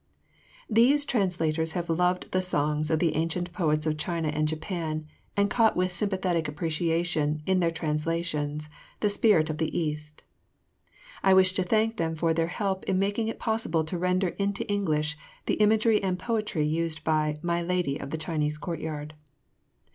These translators have loved the songs of the ancient poets of China and Japan and caught with sympathetic appreciation, in their translations, the spirit of the East. I wish to thank them for their help in making it possible to render into English the imagery and poetry used by "My Lady of the Chinese Courtyard."